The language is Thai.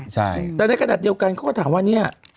ใช่แต่ในขณะเดียวกันเขาก็ถามว่าเนี่ย